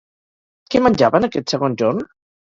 Què menjaven aquest segon jorn?